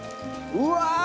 うわ！